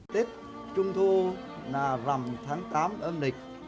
tết trung thu là rằm tháng tám âm lịch